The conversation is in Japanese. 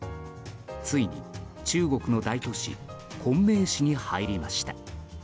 ついに中国の大都市昆明市に入りました。